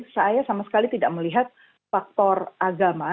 saya sama sekali tidak melihat faktor agama